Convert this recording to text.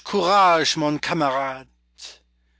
courage, mon camarade!